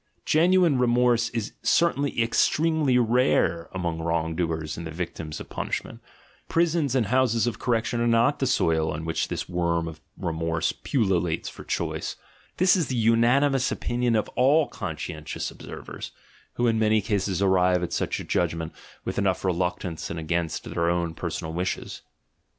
Genuine remorse is certainly extremely rare among wron j; doers and the victims of punishment; prisons and houses of correction are not the soil on which this worm of re morse pullulates for choice— this is the unanimous opinion "GUILT" AND "BAD CONSCIENCE" 73 of all conscientious observers, who in many cases arrive at such a judgment with enough reluctance and against their own personal wishes.